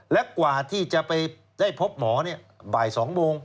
และกว่าที่จะไปได้พบหมอบ่าย๒โมง